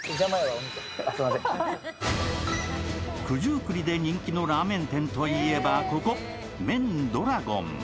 九十九里で人気のラーメン店といえばここ、麺ドラゴン。